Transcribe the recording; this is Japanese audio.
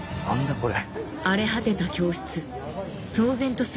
これ・